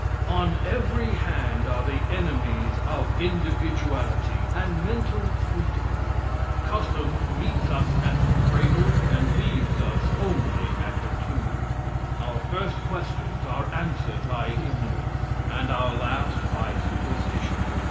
On every hand are the enemies of individuality, and mental freedom. Custom meets us at the cradle, and leaves us only at the tomb. Our first questions are answered by ignorance, and our last by superstition.